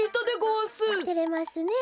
てれますねえ。